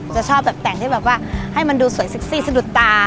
จะชอบแบบแต่งที่แบบว่าให้มันดูสวยเซ็กซี่สะดุดตา